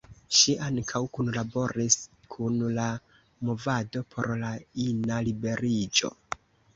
Ŝi ankaŭ kunlaboris kun la movado por la ina liberiĝo.